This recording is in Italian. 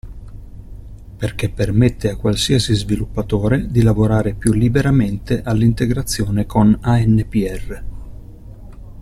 Perché permette a qualsiasi sviluppatore di lavorare più liberamente all'integrazione con ANPR.